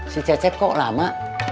si cecep kok lama